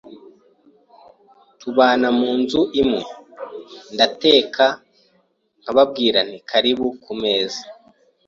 tubana mu nzu imwe, nkateka nkababwira nti karibu ku meza